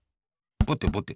ぼてぼて。